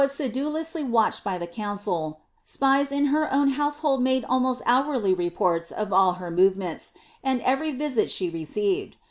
She wu •eduloQily watched by the eooncil, spies in her own household made almost hourly reports of all her moTements, and every risit she received.